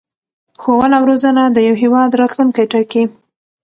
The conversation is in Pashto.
ښوونه او رزونه د یو هېواد راتلوونکی ټاکي.